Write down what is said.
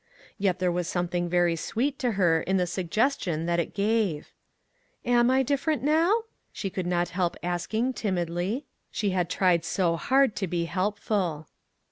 Yet there was some thing very sweet to her in the suggestion that it gave. "Am I different now?" she could not help asking timidly. She had tried so hard to be helpful.